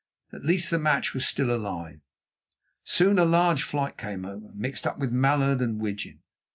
At least the match was still alive. Soon a large flight came over, mixed up with mallard and widgeon.